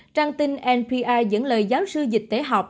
trang tin npr dẫn lời giáo sư dịch tế học